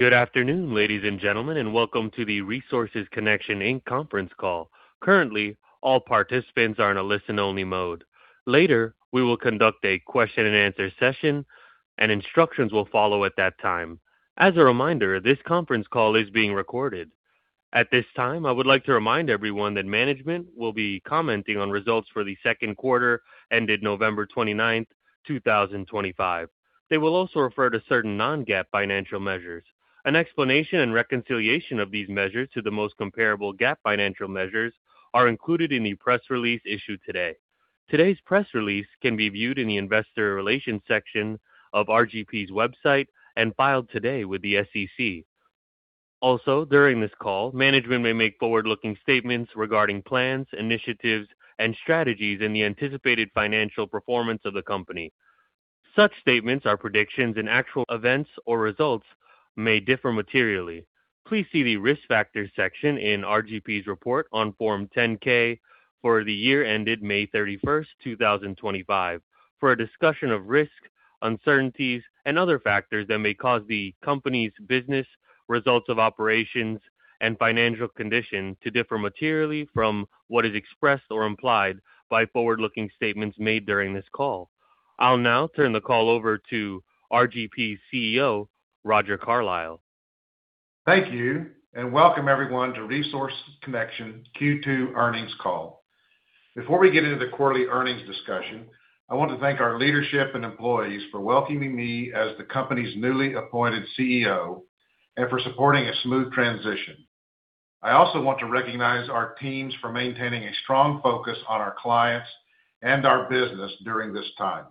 Good afternoon, ladies and gentlemen, and welcome to the Resources Connection, Inc. conference call. Currently, all participants are in a listen-only mode. Later, we will conduct a question-and-answer session, and instructions will follow at that time. As a reminder, this conference call is being recorded. At this time, I would like to remind everyone that management will be commenting on results for the second quarter ended November 29, 2025. They will also refer to certain non-GAAP financial measures. An explanation and reconciliation of these measures to the most comparable GAAP financial measures are included in the press release issued today. Today's press release can be viewed in the investor relations section of RGP's website and filed today with the SEC. Also, during this call, management may make forward-looking statements regarding plans, initiatives, and strategies in the anticipated financial performance of the company. Such statements are predictions, and actual events or results may differ materially. Please see the Risk Factors section in RGP's report on Form 10-K for the year ended May 31, 2025, for a discussion of risks, uncertainties, and other factors that may cause the company's business, results of operations, and financial condition to differ materially from what is expressed or implied by forward-looking statements made during this call. I'll now turn the call over to RGP's CEO, Roger Carlile. Thank you, and welcome everyone to Resources Connection Q2 earnings call. Before we get into the quarterly earnings discussion, I want to thank our leadership and employees for welcoming me as the company's newly appointed CEO and for supporting a smooth transition. I also want to recognize our teams for maintaining a strong focus on our clients and our business during this time.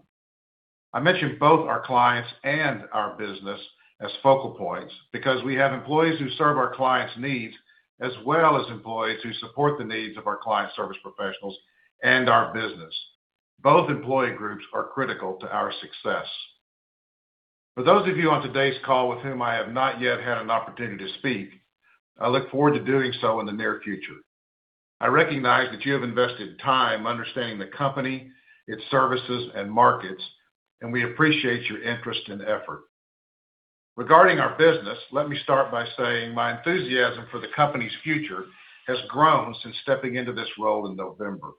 I mentioned both our clients and our business as focal points because we have employees who serve our clients' needs as well as employees who support the needs of our client service professionals and our business. Both employee groups are critical to our success. For those of you on today's call with whom I have not yet had an opportunity to speak, I look forward to doing so in the near future. I recognize that you have invested time understanding the company, its services, and markets, and we appreciate your interest and effort. Regarding our business, let me start by saying my enthusiasm for the company's future has grown since stepping into this role in November.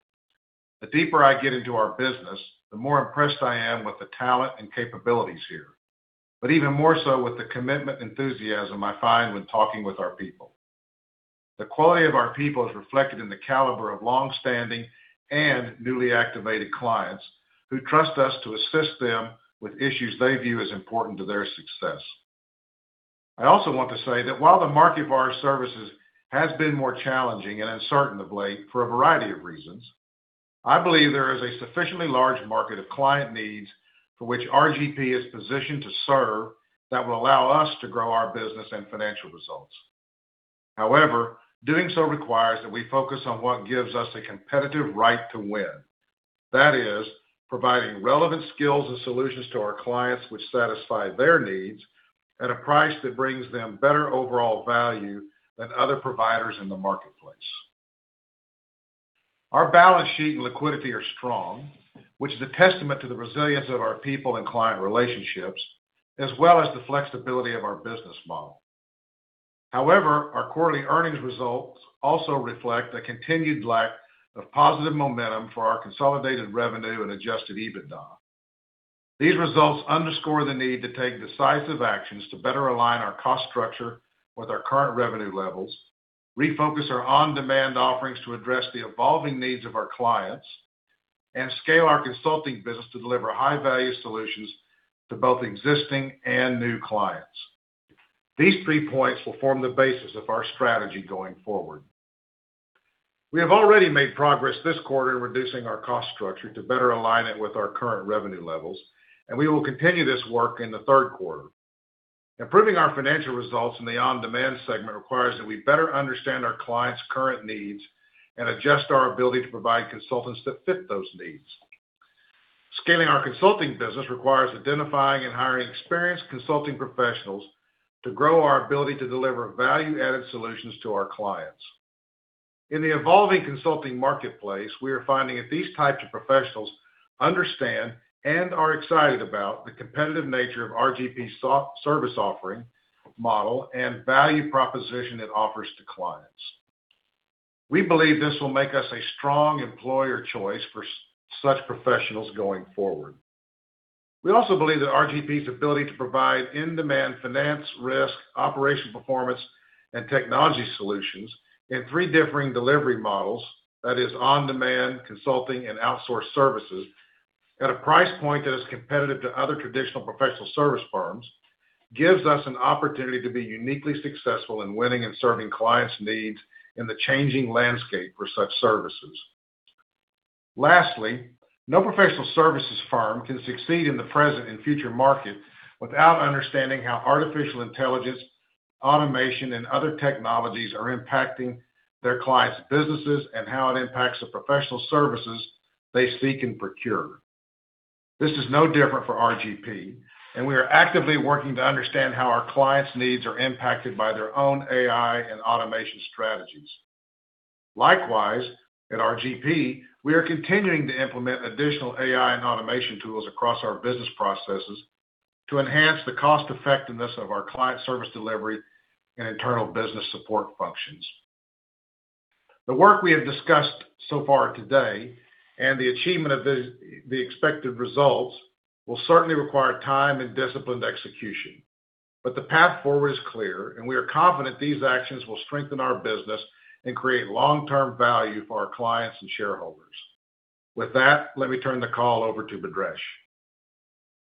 The deeper I get into our business, the more impressed I am with the talent and capabilities here, but even more so with the commitment and enthusiasm I find when talking with our people. The quality of our people is reflected in the caliber of longstanding and newly activated clients who trust us to assist them with issues they view as important to their success. I also want to say that while the market for our services has been more challenging and uncertain of late for a variety of reasons, I believe there is a sufficiently large market of client needs for which RGP is positioned to serve that will allow us to grow our business and financial results. However, doing so requires that we focus on what gives us a competitive right to win. That is, providing relevant skills and solutions to our clients which satisfy their needs at a price that brings them better overall value than other providers in the marketplace. Our balance sheet and liquidity are strong, which is a testament to the resilience of our people and client relationships, as well as the flexibility of our business model. However, our quarterly earnings results also reflect a continued lack of positive momentum for our consolidated revenue and Adjusted EBITDA. These results underscore the need to take decisive actions to better align our cost structure with our current revenue levels, refocus our on-demand offerings to address the evolving needs of our clients, and scale our consulting business to deliver high-value solutions to both existing and new clients. These three points will form the basis of our strategy going forward. We have already made progress this quarter in reducing our cost structure to better align it with our current revenue levels, and we will continue this work in the third quarter. Improving our financial results in the on-demand segment requires that we better understand our clients' current needs and adjust our ability to provide consultants that fit those needs. Scaling our consulting business requires identifying and hiring experienced consulting professionals to grow our ability to deliver value-added solutions to our clients. In the evolving consulting marketplace, we are finding that these types of professionals understand and are excited about the competitive nature of RGP's service offering model and value proposition it offers to clients. We believe this will make us a strong employer choice for such professionals going forward. We also believe that RGP's ability to provide in-demand finance, risk operational performance, and technology solutions in three differing delivery models, that is, on-demand, consulting, and outsourced services, at a price point that is competitive to other traditional professional service firms gives us an opportunity to be uniquely successful in winning and serving clients' needs in the changing landscape for such services. Lastly, no professional services firm can succeed in the present and future market without understanding how artificial intelligence, automation, and other technologies are impacting their clients' businesses and how it impacts the professional services they seek and procure. This is no different for RGP, and we are actively working to understand how our clients' needs are impacted by their own AI and automation strategies. Likewise, at RGP, we are continuing to implement additional AI and automation tools across our business processes to enhance the cost-effectiveness of our client service delivery and internal business support functions. The work we have discussed so far today and the achievement of the expected results will certainly require time and disciplined execution, but the path forward is clear, and we are confident these actions will strengthen our business and create long-term value for our clients and shareholders. With that, let me turn the call over to Bhadresh.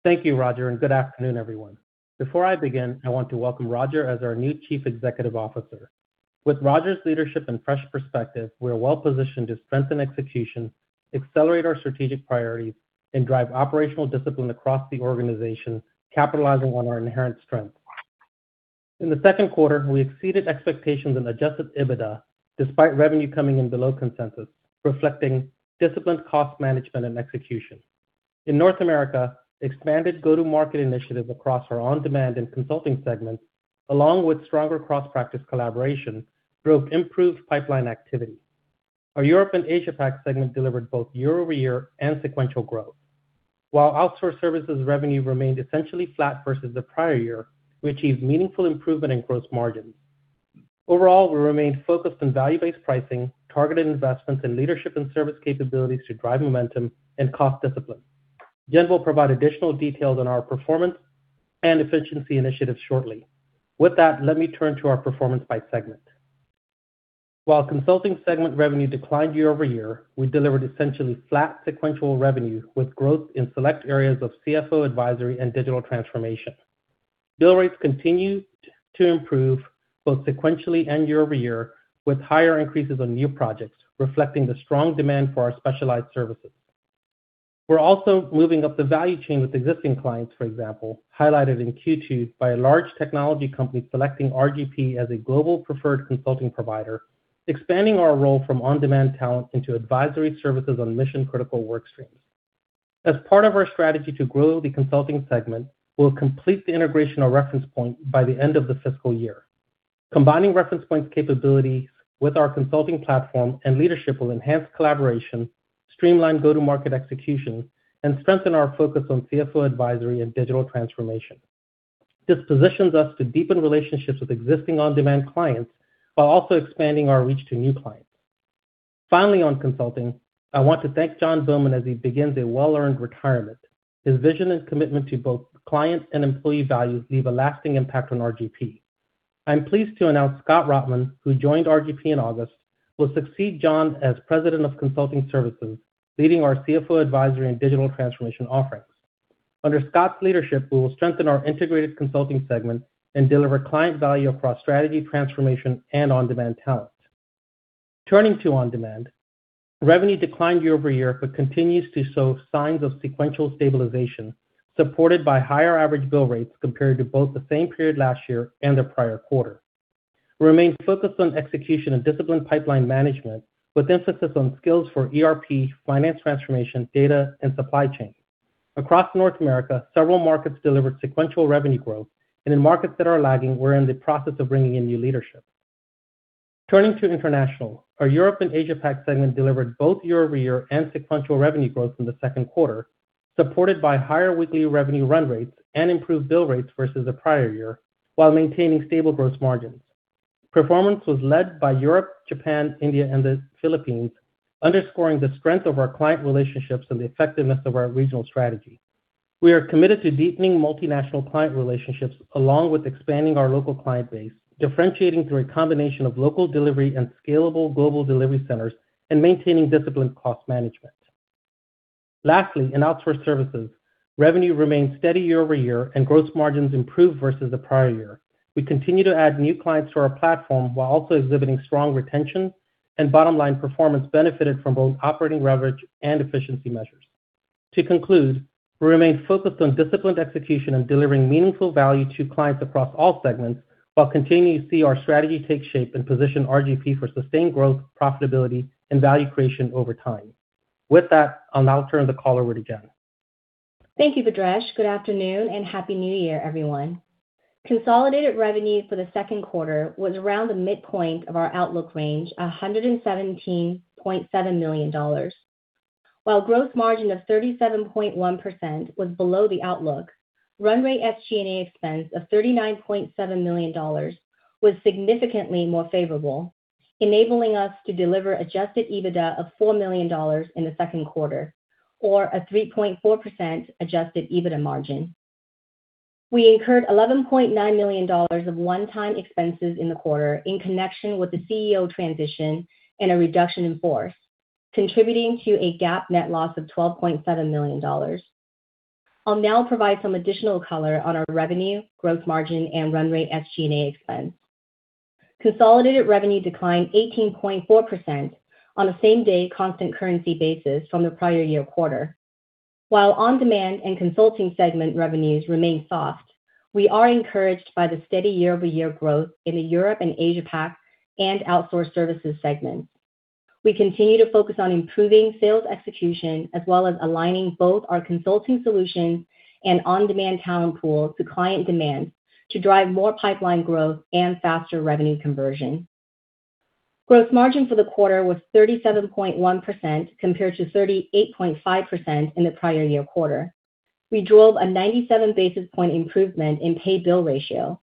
Thank you, Roger, and good afternoon, everyone. Before I begin, I want to welcome Roger as our new Chief Executive Officer. With Roger's leadership and fresh perspective, we are well-positioned to strengthen execution, accelerate our strategic priorities, and drive operational discipline across the organization, capitalizing on our inherent strength. In the second quarter, we exceeded expectations in Adjusted EBITDA despite revenue coming in below consensus, reflecting disciplined cost management and execution. In North America, expanded go-to-market initiatives across our on-demand and consulting segments, along with stronger cross-practice collaboration, drove improved pipeline activity. Our Europe and Asia Pac segment delivered both year-over-year and sequential growth. While outsourced services revenue remained essentially flat versus the prior year, we achieved meaningful improvement in gross margins. Overall, we remained focused on value-based pricing, targeted investments, and leadership and service capabilities to drive momentum and cost discipline. Jenn will provide additional details on our performance and efficiency initiatives shortly. With that, let me turn to our performance by segment. While consulting segment revenue declined year-over-year, we delivered essentially flat sequential revenue with growth in select areas of CFO advisory and digital transformation. Bill rates continue to improve both sequentially and year-over-year, with higher increases on new projects, reflecting the strong demand for our specialized services. We're also moving up the value chain with existing clients, for example, highlighted in Q2 by a large technology company selecting RGP as a global preferred consulting provider, expanding our role from on-demand talent into advisory services on mission-critical work streams. As part of our strategy to grow the consulting segment, we'll complete the integration of Reference Point by the end of the fiscal year. Combining Reference Point's capabilities with our consulting platform and leadership will enhance collaboration, streamline go-to-market execution, and strengthen our focus on CFO Advisory and Digital Transformation. This positions us to deepen relationships with existing on-demand clients while also expanding our reach to new clients. Finally, on consulting, I want to thank John Bowman as he begins a well-earned retirement. His vision and commitment to both client and employee values leave a lasting impact on RGP. I'm pleased to announce Scott Rothman, who joined RGP in August, will succeed John as president of consulting services, leading our CFO Advisory and Digital Transformation offerings. Under Scott's leadership, we will strengthen our integrated consulting segment and deliver client value across strategy transformation and on-demand talent. Turning to on-demand, revenue declined year-over-year but continues to show signs of sequential stabilization, supported by higher average bill rates compared to both the same period last year and the prior quarter. We remain focused on execution and disciplined pipeline management with emphasis on skills for ERP, finance transformation, data, and supply chain. Across North America, several markets delivered sequential revenue growth, and in markets that are lagging, we're in the process of bringing in new leadership. Turning to international, our Europe and Asia Pac segment delivered both year-over-year and sequential revenue growth in the second quarter, supported by higher weekly revenue run rates and improved bill rates versus the prior year, while maintaining stable gross margins. Performance was led by Europe, Japan, India, and the Philippines, underscoring the strength of our client relationships and the effectiveness of our regional strategy. We are committed to deepening multinational client relationships along with expanding our local client base, differentiating through a combination of local delivery and scalable global delivery centers, and maintaining disciplined cost management. Lastly, in Outsourced Services, revenue remained steady year-over-year and gross margins improved versus the prior year. We continue to add new clients to our platform while also exhibiting strong retention, and bottom-line performance benefited from both operating leverage and efficiency measures. To conclude, we remain focused on disciplined execution and delivering meaningful value to clients across all segments while continuing to see our strategy take shape and position RGP for sustained growth, profitability, and value creation over time. With that, I'll now turn the call over to Jenn. Thank you, Bhadresh. Good afternoon and Happy New Year, everyone. Consolidated revenue for the second quarter was around the midpoint of our outlook range, $117.7 million. While gross margin of 37.1% was below the outlook, run rate SG&A expense of $39.7 million was significantly more favorable, enabling us to deliver adjusted EBITDA of $4 million in the second quarter, or a 3.4% adjusted EBITDA margin. We incurred $11.9 million of one-time expenses in the quarter in connection with the CEO transition and a reduction in force, contributing to a GAAP net loss of $12.7 million. I'll now provide some additional color on our revenue, gross margin, and run rate SG&A expense. Consolidated revenue declined 18.4% on the year-over-year constant currency basis from the prior year quarter. While on-demand and consulting segment revenues remain soft, we are encouraged by the steady year-over-year growth in the Europe and Asia Pac and outsourced services segments. We continue to focus on improving sales execution as well as aligning both our consulting solutions and on-demand talent pool to client demand to drive more pipeline growth and faster revenue conversion. Gross margin for the quarter was 37.1% compared to 38.5% in the prior year quarter. We drove a 97 basis points improvement in pay-bill ratio.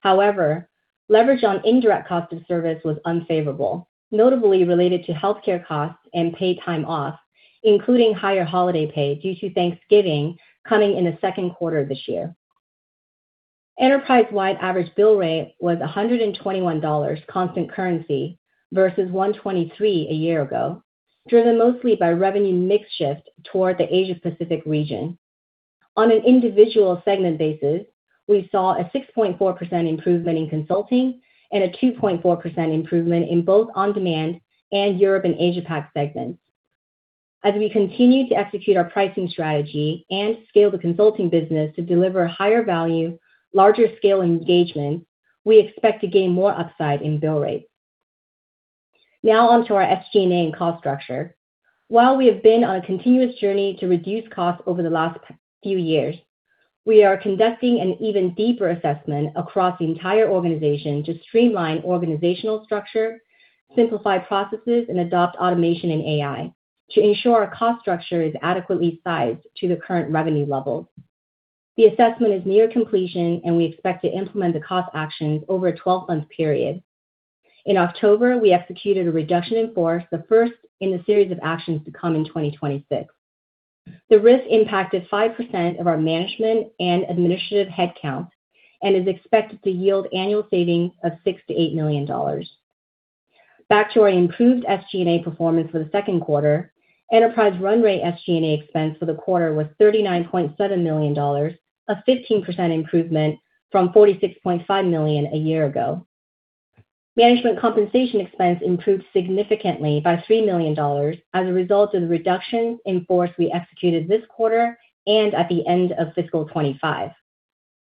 However, leverage on indirect cost of service was unfavorable, notably related to healthcare costs and paid time off, including higher holiday pay due to Thanksgiving coming in the second quarter of this year. Enterprise-wide average bill rate was $121 constant currency versus $123 a year ago, driven mostly by revenue mix shift toward the Asia-Pacific region. On an individual segment basis, we saw a 6.4% improvement in consulting and a 2.4% improvement in both on-demand and Europe and Asia Pac segments. As we continue to execute our pricing strategy and scale the consulting business to deliver higher value, larger scale engagements, we expect to gain more upside in bill rate. Now onto our SG&A and cost structure. While we have been on a continuous journey to reduce costs over the last few years, we are conducting an even deeper assessment across the entire organization to streamline organizational structure, simplify processes, and adopt automation and AI to ensure our cost structure is adequately sized to the current revenue levels. The assessment is near completion, and we expect to implement the cost actions over a 12-month period. In October, we executed a reduction in force, the first in the series of actions to come in 2026. The RIF impacted 5% of our management and administrative headcount and is expected to yield annual savings of $6 million-$8 million. Back to our improved SG&A performance for the second quarter, enterprise run rate SG&A expense for the quarter was $39.7 million, a 15% improvement from $46.5 million a year ago. Management compensation expense improved significantly by $3 million as a result of the reduction in force we executed this quarter and at the end of fiscal 2025.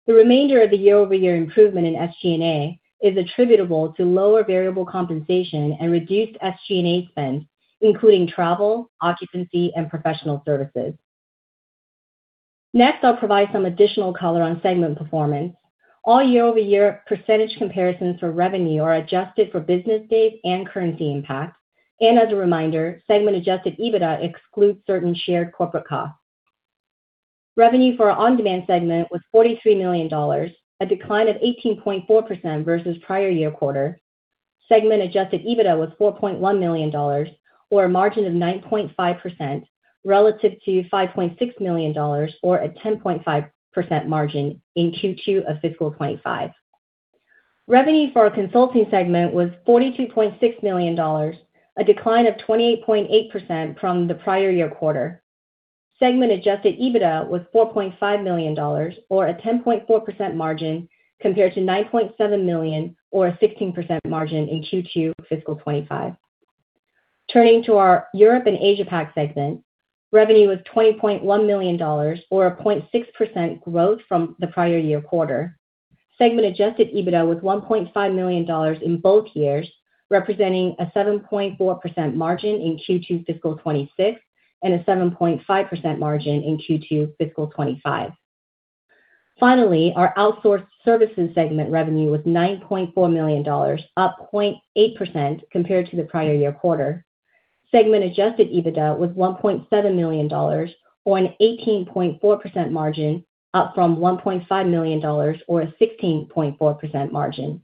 The remainder of the year-over-year improvement in SG&A is attributable to lower variable compensation and reduced SG&A spend, including travel, occupancy, and professional services. Next, I'll provide some additional color on segment performance. All year-over-year percentage comparisons for revenue are adjusted for business days and currency impact, and as a reminder, segment-adjusted EBITDA excludes certain shared corporate costs. Revenue for our on-demand segment was $43 million, a decline of 18.4% versus prior year quarter. Segment-adjusted EBITDA was $4.1 million, or a margin of 9.5% relative to $5.6 million, or a 10.5% margin in Q2 of fiscal 2025. Revenue for our consulting segment was $42.6 million, a decline of 28.8% from the prior year quarter. Segment-adjusted EBITDA was $4.5 million, or a 10.4% margin compared to $9.7 million, or a 16% margin in Q2 fiscal 2025. Turning to our Europe and Asia Pac segment, revenue was $20.1 million, or a 0.6% growth from the prior year quarter. Segment-adjusted EBITDA was $1.5 million in both years, representing a 7.4% margin in Q2 fiscal 2026 and a 7.5% margin in Q2 fiscal 2025. Finally, our outsourced services segment revenue was $9.4 million, up 0.8% compared to the prior year quarter. Segment-adjusted EBITDA was $1.7 million, or an 18.4% margin, up from $1.5 million, or a 16.4% margin.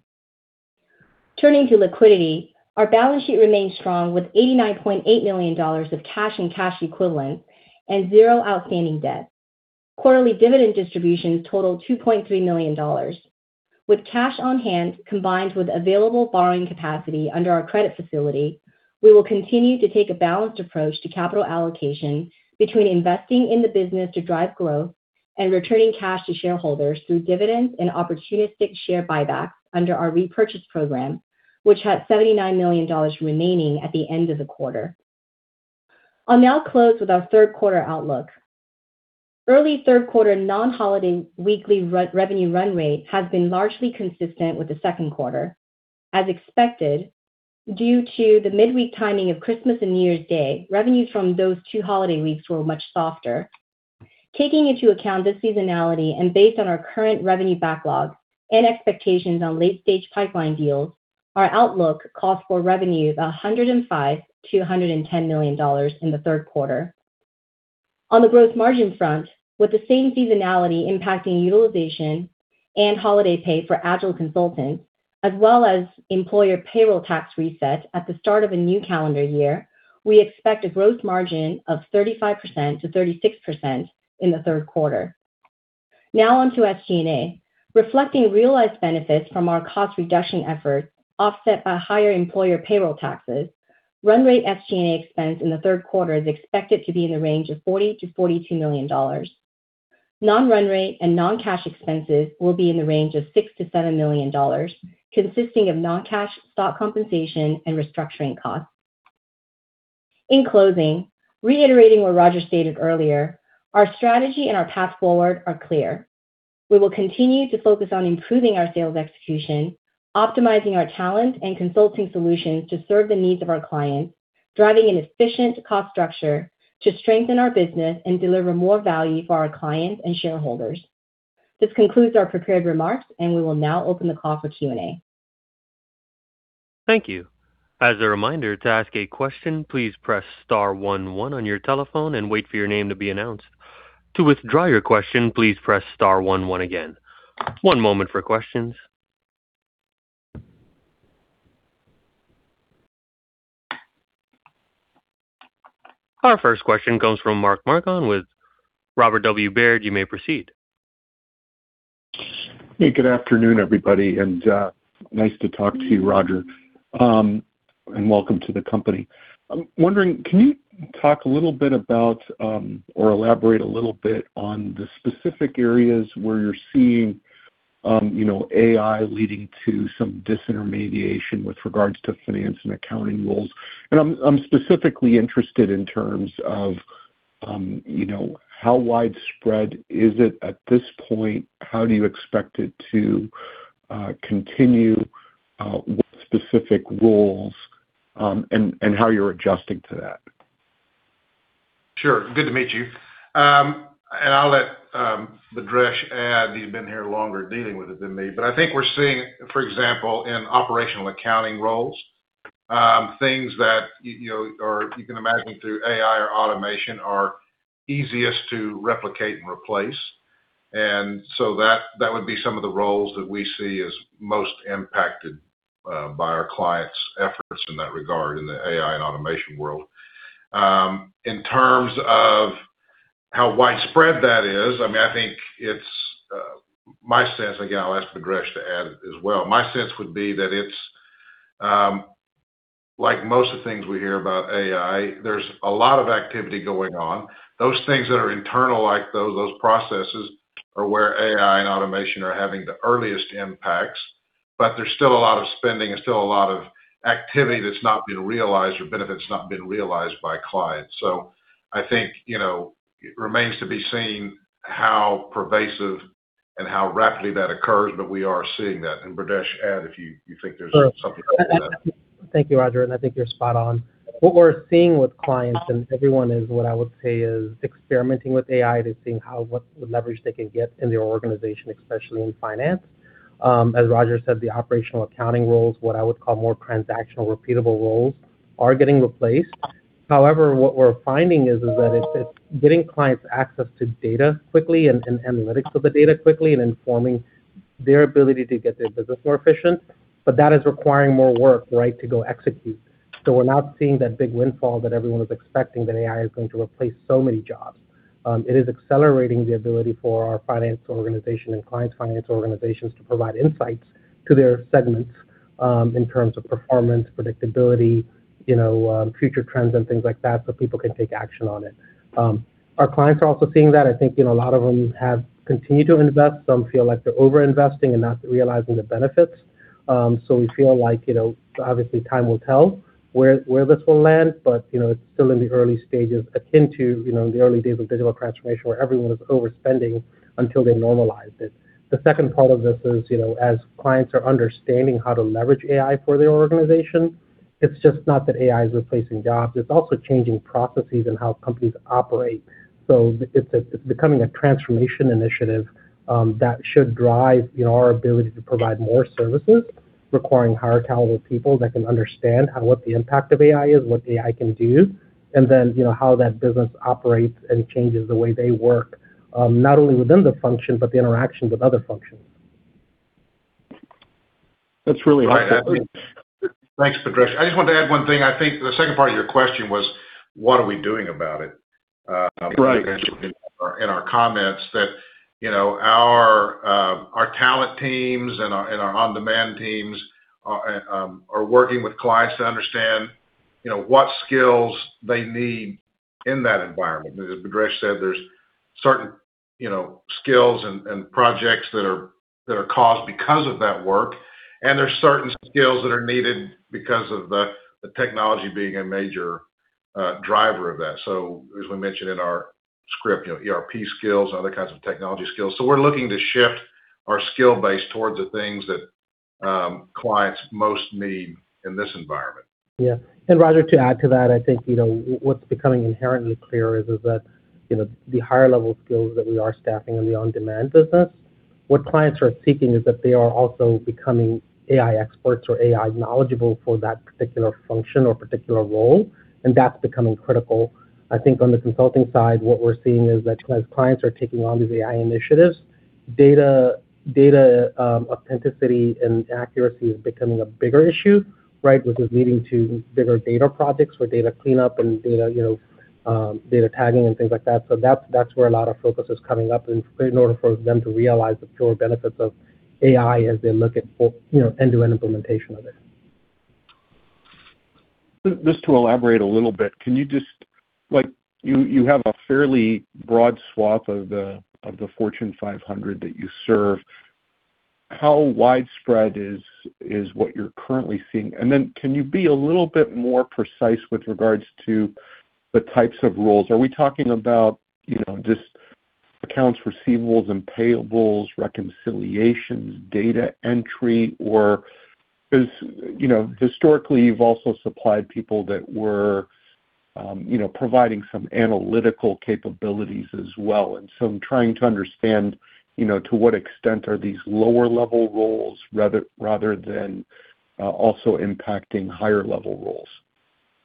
Turning to liquidity, our balance sheet remains strong with $89.8 million of cash and cash equivalents and zero outstanding debt. Quarterly dividend distributions total $2.3 million. With cash on hand combined with available borrowing capacity under our credit facility, we will continue to take a balanced approach to capital allocation between investing in the business to drive growth and returning cash to shareholders through dividends and opportunistic share buybacks under our repurchase program, which had $79 million remaining at the end of the quarter. I'll now close with our third quarter outlook. Early third quarter non-holiday weekly revenue run rate has been largely consistent with the second quarter. As expected, due to the midweek timing of Christmas and New Year's Day, revenues from those two holiday weeks were much softer. Taking into account this seasonality and based on our current revenue backlog and expectations on late-stage pipeline deals, our outlook calls for revenue of $105 million-$110 million in the third quarter. On the gross margin front, with the same seasonality impacting utilization and holiday pay for agile consultants, as well as employer payroll tax reset at the start of a new calendar year, we expect a gross margin of 35%-36% in the third quarter. Now on to SG&A. Reflecting realized benefits from our cost reduction efforts offset by higher employer payroll taxes, run rate SG&A expense in the third quarter is expected to be in the range of $40 million-$42 million. Non-run rate and non-cash expenses will be in the range of $6 million-$7 million, consisting of non-cash stock compensation and restructuring costs. In closing, reiterating what Roger stated earlier, our strategy and our path forward are clear. We will continue to focus on improving our sales execution, optimizing our talent and consulting solutions to serve the needs of our clients, driving an efficient cost structure to strengthen our business and deliver more value for our clients and shareholders. This concludes our prepared remarks, and we will now open the call for Q&A. Thank you. As a reminder, to ask a question, please press star one one on your telephone and wait for your name to be announced. To withdraw your question, please press star one one again. One moment for questions. Our first question comes from Mark Marcon, with Robert W. Baird. You may proceed. Hey, good afternoon, everybody, and nice to talk to you, Roger, and welcome to the company. I'm wondering, can you talk a little bit about or elaborate a little bit on the specific areas where you're seeing AI leading to some disintermediation with regards to finance and accounting roles? And I'm specifically interested in terms of how widespread is it at this point? How do you expect it to continue? Specific roles and how you're adjusting to that. Sure. Good to meet you. And I'll let Bhadresh add, he's been here longer dealing with it than me. But I think we're seeing, for example, in operational accounting roles, things that you can imagine through AI or automation are easiest to replicate and replace. And so that would be some of the roles that we see as most impacted by our clients' efforts in that regard in the AI and automation world. In terms of how widespread that is, I mean, I think my sense, again, I'll ask Bhadresh to add it as well. My sense would be that it's like most of the things we hear about AI, there's a lot of activity going on. Those things that are internal, like those processes, are where AI and automation are having the earliest impacts, but there's still a lot of spending and still a lot of activity that's not been realized or benefits not being realized by clients. So I think it remains to be seen how pervasive and how rapidly that occurs, but we are seeing that. And Bhadresh, add if you think there's something else to add. Thank you, Roger. And I think you're spot on. What we're seeing with clients and everyone is, what I would say, is experimenting with AI to see what leverage they can get in their organization, especially in finance. As Roger said, the operational accounting roles, what I would call more transactional, repeatable roles, are getting replaced. However, what we're finding is that it's getting clients access to data quickly and analytics of the data quickly and informing their ability to get their business more efficient, but that is requiring more work, right, to go execute. So we're not seeing that big windfall that everyone is expecting that AI is going to replace so many jobs. It is accelerating the ability for our finance organization and clients' finance organizations to provide insights to their segments in terms of performance, predictability, future trends, and things like that so people can take action on it. Our clients are also seeing that. I think a lot of them have continued to invest. Some feel like they're overinvesting and not realizing the benefits. So we feel like, obviously, time will tell where this will land, but it's still in the early stages, akin to the early days of digital transformation where everyone was overspending until they normalized it. The second part of this is, as clients are understanding how to leverage AI for their organization, it's just not that AI is replacing jobs. It's also changing processes and how companies operate. So it's becoming a transformation initiative that should drive our ability to provide more services requiring higher talented people that can understand what the impact of AI is, what AI can do, and then how that business operates and changes the way they work, not only within the function, but the interaction with other functions. That's really helpful. Thanks, Bhadresh. I just want to add one thing. I think the second part of your question was, what are we doing about it? Right. In our comments, that our talent teams and our on-demand teams are working with clients to understand what skills they need in that environment. As Bhadresh said, there's certain skills and projects that are caused because of that work, and there's certain skills that are needed because of the technology being a major driver of that. So, as we mentioned in our script, ERP skills and other kinds of technology skills. So we're looking to shift our skill base towards the things that clients most need in this environment. Yeah. And Roger, to add to that, I think what's becoming inherently clear is that the higher-level skills that we are staffing in the on-demand business, what clients are seeking is that they are also becoming AI experts or AI knowledgeable for that particular function or particular role, and that's becoming critical. I think on the consulting side, what we're seeing is that as clients are taking on these AI initiatives, data authenticity and accuracy is becoming a bigger issue, right, which is leading to bigger data projects for data cleanup and data tagging and things like that. So that's where a lot of focus is coming up in order for them to realize the pure benefits of AI as they look at end-to-end implementation of it. Just to elaborate a little bit, can you just, you have a fairly broad swath of the Fortune 500 that you serve. How widespread is what you're currently seeing? And then can you be a little bit more precise with regards to the types of roles? Are we talking about just accounts receivables and payables, reconciliations, data entry, or historically, you've also supplied people that were providing some analytical capabilities as well? And so I'm trying to understand to what extent are these lower-level roles rather than also impacting higher-level roles?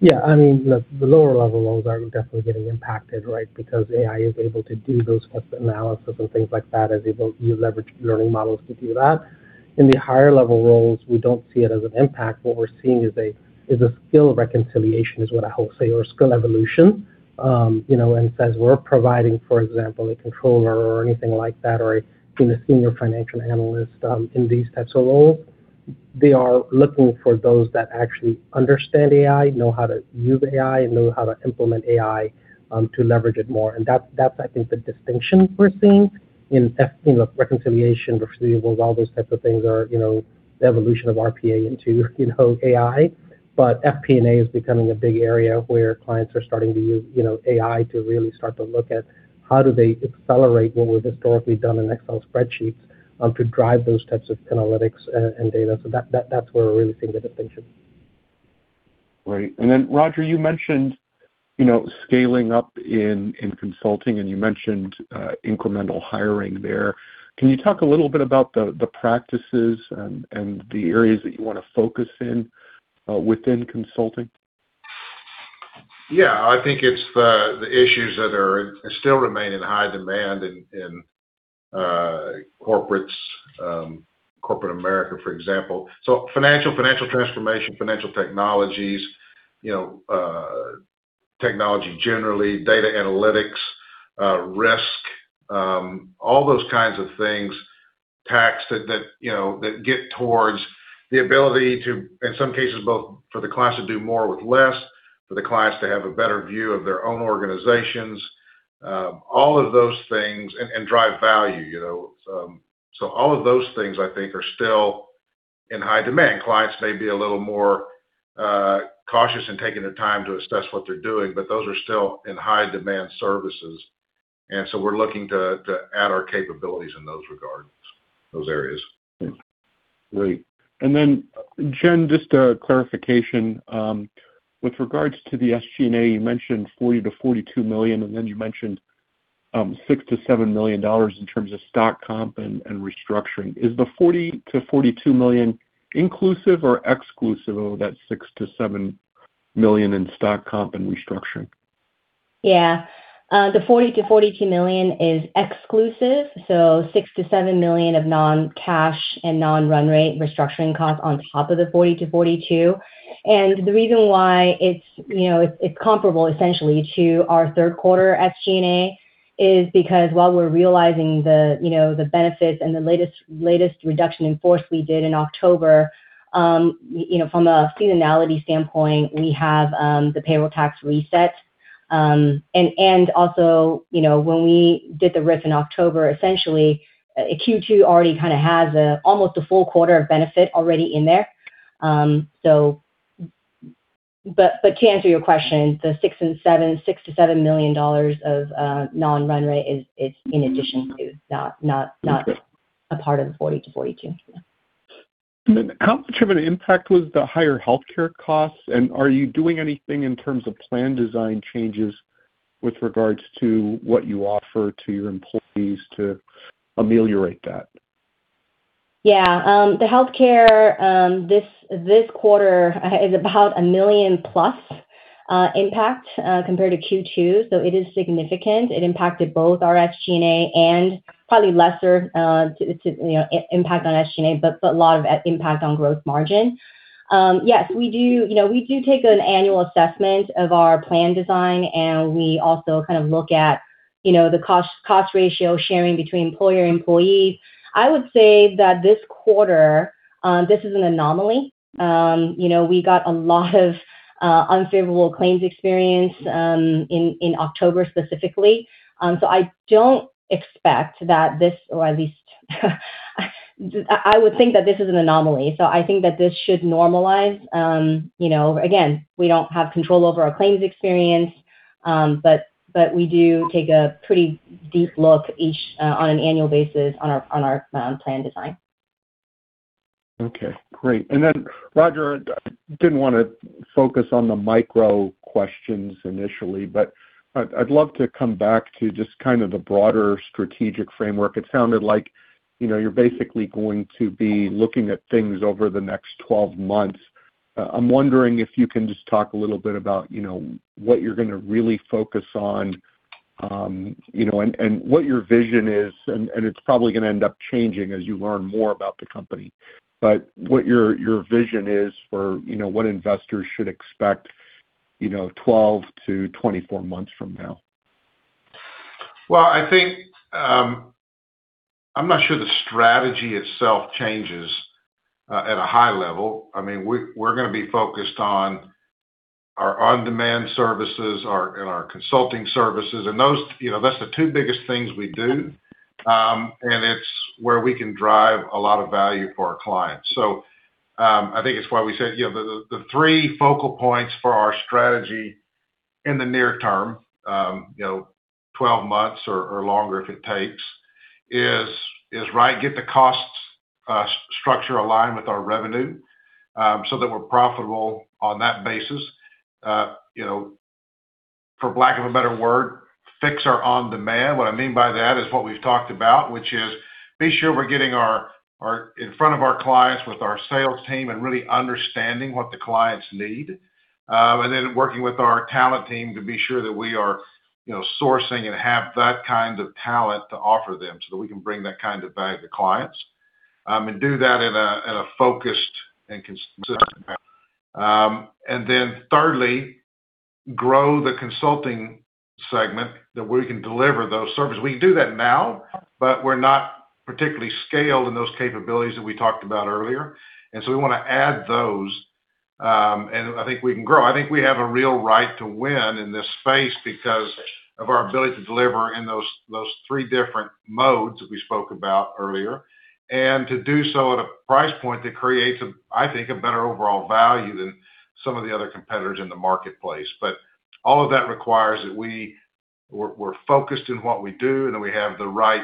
Yeah. I mean, the lower-level roles are definitely getting impacted, right, because AI is able to do those types of analysis and things like that as you leverage learning models to do that. In the higher-level roles, we don't see it as an impact. What we're seeing is a skill reconciliation is what I will say, or skill evolution, and says we're providing, for example, a controller or anything like that, or a senior financial analyst in these types of roles. They are looking for those that actually understand AI, know how to use AI, and know how to implement AI to leverage it more. And that's, I think, the distinction we're seeing in reconciliation, receivables, all those types of things are the evolution of RPA into AI. But FP&A is becoming a big area where clients are starting to use AI to really start to look at how do they accelerate what we've historically done in Excel spreadsheets to drive those types of analytics and data. So that's where we're really seeing the distinction. Right. And then, Roger, you mentioned scaling up in consulting, and you mentioned incremental hiring there. Can you talk a little bit about the practices and the areas that you want to focus in within consulting? Yeah. I think it's the issues that still remain in high demand in corporates, corporate America, for example. So financial, financial transformation, financial technologies, technology generally, data analytics, RIF, all those kinds of things, tax that get towards the ability to, in some cases, both for the clients to do more with less, for the clients to have a better view of their own organizations, all of those things, and drive value. So all of those things, I think, are still in high demand. Clients may be a little more cautious in taking the time to assess what they're doing, but those are still in high-demand services. And so we're looking to add our capabilities in those regards, those areas. Great. And then, Jenn, just a clarification. With regards to the SG&A, you mentioned $40 million-$42 million, and then you mentioned $6 million-$7 million in terms of stock comp and restructuring. Is the $40 million-$42 million inclusive or exclusive of that $6 million-$7 million in stock comp and restructuring? Yeah. The $40 million-$42 million is exclusive. So $6 million-$7 million of non-cash and non-run rate restructuring costs on top of the $40 million-$42 million. And the reason why it's comparable, essentially, to our third quarter SG&A is because while we're realizing the benefits and the latest reduction in force we did in October, from a seasonality standpoint, we have the payroll tax reset. And also, when we did the RIF in October, essentially, Q2 already kind of has almost a full quarter of benefit already in there. But to answer your question, the $6 million-$7 million of non-run rate is in addition to, not a part of the $40 million-$42 million. And then how much of an impact was the higher healthcare costs? And are you doing anything in terms of plan design changes with regards to what you offer to your employees to ameliorate that? Yeah. The healthcare this quarter is about a $1 million+ impact compared to Q2. So it is significant. It impacted both our SG&A and probably lesser impact on SG&A, but a lot of impact on gross margin. Yes, we do take an annual assessment of our plan design, and we also kind of look at the cost ratio sharing between employer and employees. I would say that this quarter, this is an anomaly. We got a lot of unfavorable claims experience in October specifically. So I don't expect that this, or at least I would think that this is an anomaly. So I think that this should normalize. Again, we don't have control over our claims experience, but we do take a pretty deep look on an annual basis on our plan design. Okay. Great. And then, Roger, I didn't want to focus on the micro questions initially, but I'd love to come back to just kind of the broader strategic framework. It sounded like you're basically going to be looking at things over the next 12 months. I'm wondering if you can just talk a little bit about what you're going to really focus on and what your vision is. And it's probably going to end up changing as you learn more about the company. But what your vision is for what investors should expect 12 to 24 months from now? I think I'm not sure the strategy itself changes at a high level. I mean, we're going to be focused on our on-demand services and our consulting services. And that's the two biggest things we do, and it's where we can drive a lot of value for our clients. So I think it's why we said the three focal points for our strategy in the near term, 12 months or longer if it takes, is get the cost structure aligned with our revenue so that we're profitable on that basis. For lack of a better word, fix our on-demand. What I mean by that is what we've talked about, which is be sure we're getting in front of our clients with our sales team and really understanding what the clients need, and then working with our talent team to be sure that we are sourcing and have that kind of talent to offer them so that we can bring that kind of value to clients and do that in a focused and consistent manner, and then thirdly, grow the consulting segment that we can deliver those services. We can do that now, but we're not particularly scaled in those capabilities that we talked about earlier, and so we want to add those, and I think we can grow. I think we have a real right to win in this space because of our ability to deliver in those three different modes that we spoke about earlier and to do so at a price point that creates, I think, a better overall value than some of the other competitors in the marketplace. But all of that requires that we're focused in what we do, and then we have the right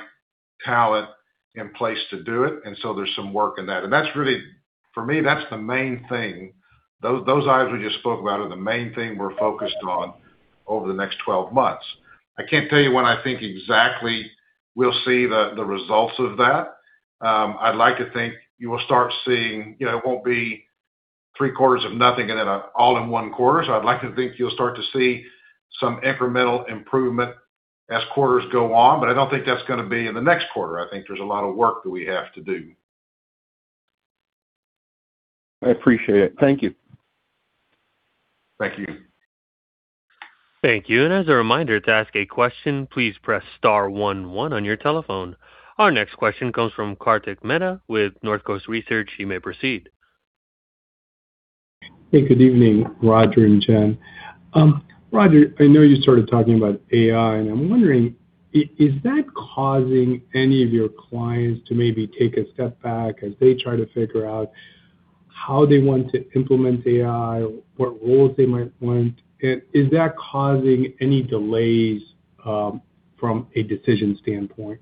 talent in place to do it. And so there's some work in that. And for me, that's the main thing. Those items we just spoke about are the main thing we're focused on over the next 12 months. I can't tell you when I think exactly we'll see the results of that. I'd like to think you will start seeing it. It won't be three quarters of nothing and then all in one quarter. So I'd like to think you'll start to see some incremental improvement as quarters go on, but I don't think that's going to be in the next quarter. I think there's a lot of work that we have to do. I appreciate it. Thank you. Thank you. Thank you. As a reminder, to ask a question, please press star one one on your telephone. Our next question comes from Kartik Mehta with Northcoast Research. You may proceed. Hey, good evening, Roger and Jenn. Roger, I know you started talking about AI, and I'm wondering, is that causing any of your clients to maybe take a step back as they try to figure out how they want to implement AI, what roles they might want? And is that causing any delays from a decision standpoint?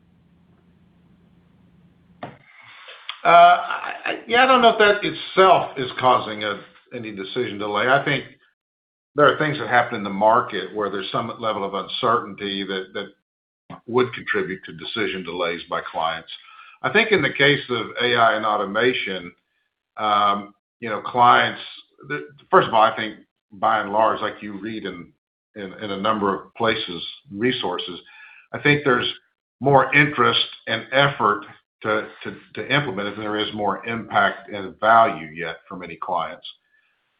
Yeah. I don't know if that itself is causing any decision delay. I think there are things that happen in the market where there's some level of uncertainty that would contribute to decision delays by clients. I think in the case of AI and automation, clients, first of all, I think by and large, like you read in a number of places, resources, I think there's more interest and effort to implement it than there is more impact and value yet from any clients.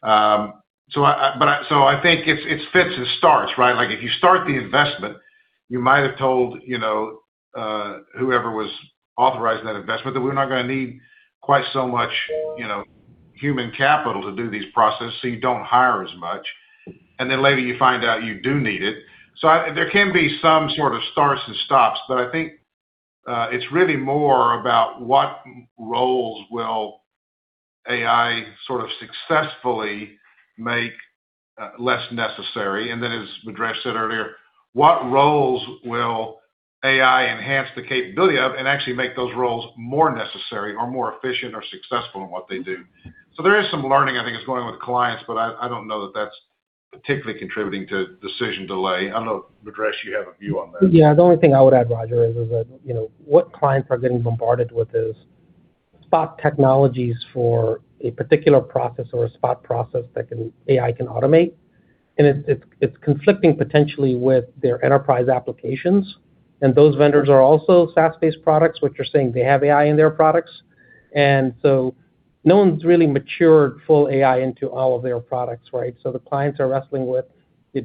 So I think it's fits and starts, right? If you start the investment, you might have told whoever was authorizing that investment that we're not going to need quite so much human capital to do these processes so you don't hire as much. And then later you find out you do need it. So there can be some sort of starts and stops, but I think it's really more about what roles will AI sort of successfully make less necessary. And then, as Bhadresh said earlier, what roles will AI enhance the capability of and actually make those roles more necessary or more efficient or successful in what they do? So there is some learning, I think, is going on with clients, but I don't know that that's particularly contributing to decision delay. I don't know, Bhadresh, you have a view on that. Yeah. The only thing I would add, Roger, is that what clients are getting bombarded with is spot technologies for a particular process or a spot process that AI can automate. And it's conflicting potentially with their enterprise applications. And those vendors are also SaaS-based products, which are saying they have AI in their products. And so no one's really matured full AI into all of their products, right? So the clients are wrestling with,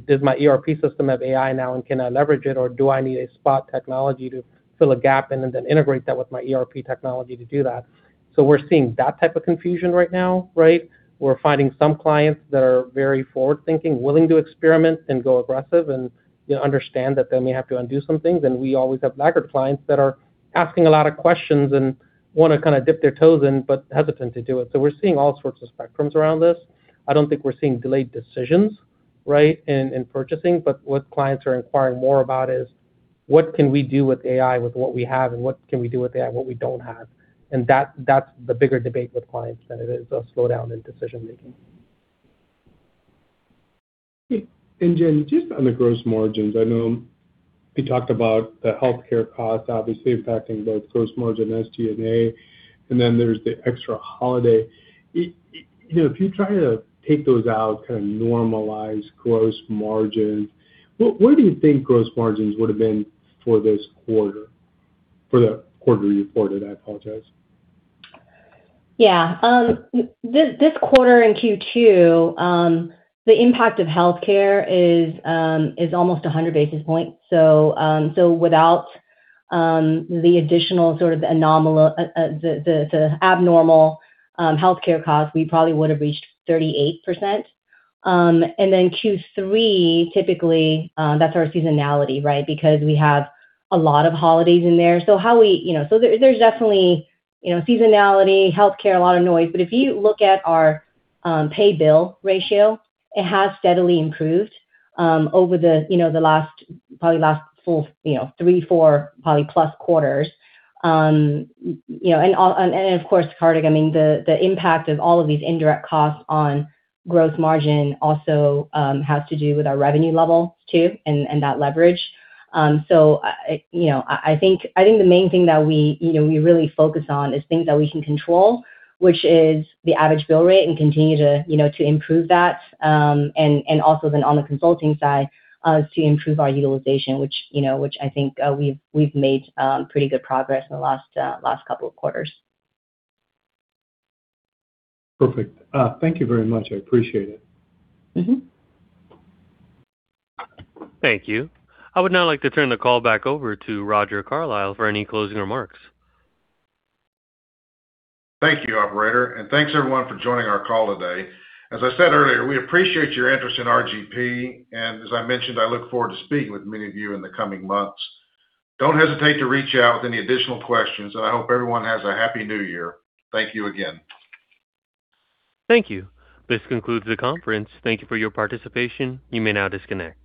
"Does my ERP system have AI now, and can I leverage it, or do I need a spot technology to fill a gap and then integrate that with my ERP technology to do that?" So we're seeing that type of confusion right now, right? We're finding some clients that are very forward-thinking, willing to experiment and go aggressive and understand that they may have to undo some things. And we always have laggard clients that are asking a lot of questions and want to kind of dip their toes in but hesitant to do it. So we're seeing all sorts of spectrums around this. I don't think we're seeing delayed decisions, right, in purchasing. But what clients are inquiring more about is, "What can we do with AI with what we have, and what can we do with AI with what we don't have?" And that's the bigger debate with clients than it is a slowdown in decision-making. Jenn, just on the gross margins, I know we talked about the healthcare costs obviously impacting both gross margin and SG&A, and then there's the extra holiday. If you try to take those out, kind of normalize gross margins, where do you think gross margins would have been for this quarter? For the quarter reported, I apologize. Yeah. This quarter and Q2, the impact of healthcare is almost 100 basis points. So without the additional sort of the abnormal healthcare costs, we probably would have reached 38%. And then Q3, typically, that's our seasonality, right, because we have a lot of holidays in there. So there's definitely seasonality, healthcare, a lot of noise. But if you look at our pay-bill ratio, it has steadily improved over the last, probably last full three, four, probably plus quarters. And of course, Kartik, I mean, the impact of all of these indirect costs on gross margin also has to do with our revenue level too and that leverage. So I think the main thing that we really focus on is things that we can control, which is the average bill rate and continue to improve that. And also, then, on the consulting side, is to improve our utilization, which I think we've made pretty good progress in the last couple of quarters. Perfect. Thank you very much. I appreciate it. Thank you. I would now like to turn the call back over to Roger Carlile for any closing remarks. Thank you, Operator, and thanks everyone for joining our call today. As I said earlier, we appreciate your interest in RGP, and as I mentioned, I look forward to speaking with many of you in the coming months. Don't hesitate to reach out with any additional questions, and I hope everyone has a Happy New Year. Thank you again. Thank you. This concludes the conference. Thank you for your participation. You may now disconnect.